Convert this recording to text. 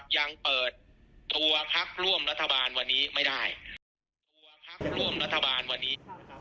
ยังเปิดตัวพักร่วมรัฐบาลวันนี้ไม่ได้